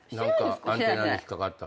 何かアンテナに引っ掛かった。